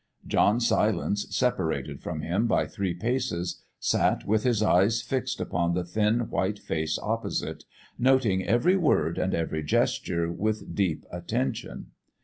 John Silence, separated from him by three paces, sat with his eyes fixed upon the thin white face opposite, noting every word and every gesture with deep attention.